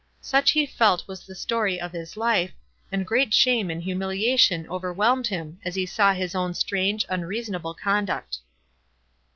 Such he felt was the story of his life, and great shame and humiliation over whelmed him as he saw his own strange, unrea sonable conduct.